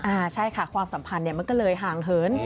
อ่าใช่ค่ะความสัมพันธ์มันก็เลยห่างเหิน